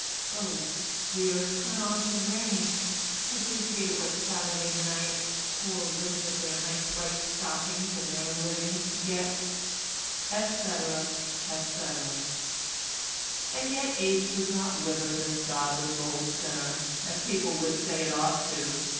Oh! dear, it's coming on to rain. I do hate a wet Saturday night—poor women with their nice white stockings and their living to get," etc., etc. And yet age does not wither this godless old sinner, as people would say it ought to do.